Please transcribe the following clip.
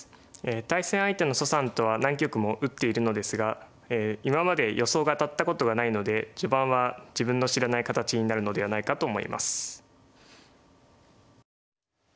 対戦相手の蘇さんとは何局も打っているのですが今まで予想が当たったことがないので序盤は自分の知らない形になるのではないかと思います。